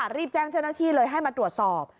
รีบแจ้งเจ้าหน้าที่เลยให้มาตรวจสอบ